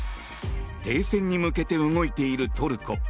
停戦に向けて動いているトルコ。